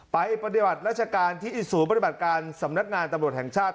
ปฏิบัติราชการที่ศูนย์ปฏิบัติการสำนักงานตำรวจแห่งชาติ